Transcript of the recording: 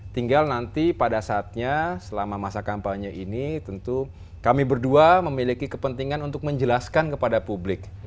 tinggal nanti pada saatnya selama masa kampanye ini tentu kami berdua memiliki kepentingan untuk menjelaskan kepada publik